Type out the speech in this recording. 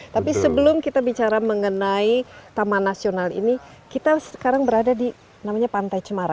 tapi sebelum kita bicara mengenai taman nasional ini kita sekarang berada di namanya pantai cemara